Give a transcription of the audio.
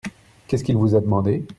Qu'est-ce qu'il vous a demandé ?